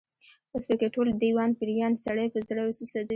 اوس په کې ټول، دېوان پيریان، سړی په زړه وسوځي